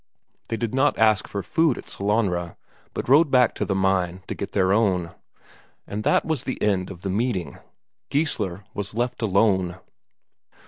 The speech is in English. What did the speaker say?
They did not ask for food at Sellanraa, but rode back to the mine to get their own. And that was the end of the meeting. Geissler was left alone.